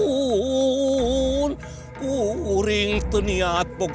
aku tidak mau pulang